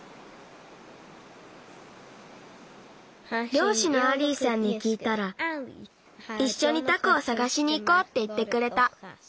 りょうしのアリーさんにきいたらいっしょにタコをさがしにいこうっていってくれた。